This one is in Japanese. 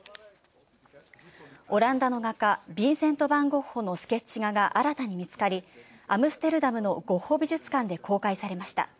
オランダの画家ビンセント・バン・ゴッホのスケッチ画が新たに見つかり、アムステルダムのゴッホ美術館で公開されました。